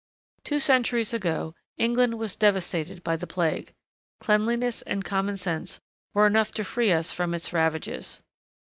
Two centuries ago England was devastated by the plague; cleanliness and common sense were enough to free us from its ravages.